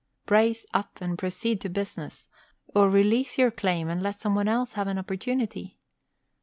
Brace up and proceed to business, or release your claim and let some one else have an opportunity.